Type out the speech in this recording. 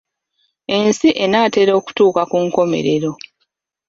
Ensi enaatera okutuuka ku nkomerero.